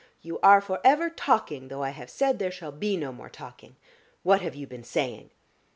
You are for ever talking, though I have said there shall be no more talking. What have you been saying?"